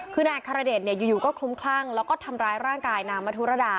คือนายอัครเดชอยู่ก็คลุ้มคลั่งแล้วก็ทำร้ายร่างกายนางมธุรดา